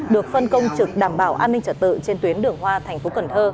được phân công trực đảm bảo an ninh trở tự trên tuyến đường hoa tp cn